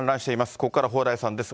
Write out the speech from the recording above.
ここからは蓬莱さんです。